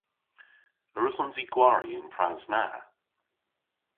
A wrussons i gwari y'n pras na?